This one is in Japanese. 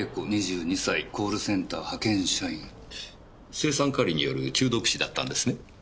青酸カリによる中毒死だったんですね？